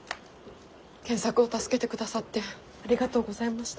健作を助けてくださってありがとうございました。